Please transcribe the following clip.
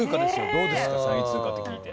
どうですか、３位通過って聞いて。